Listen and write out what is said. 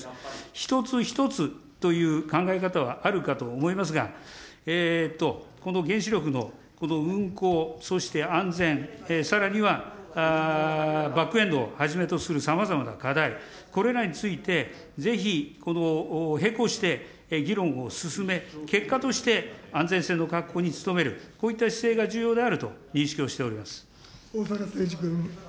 一つ一つという考え方はあるかと思いますが、この原子力のこの運行、そして安全、さらには、バックエンドをはじめとする、さまざまな課題、これらについて、ぜひ、この並行して議論を進め、結果として、安全性の確保に努める、こういった姿勢が重要であると認識をして逢坂誠二君。